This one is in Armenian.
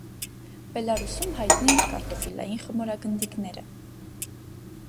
Բելառուսում հայտնի են կարտոֆիլային խմորագնդիկները։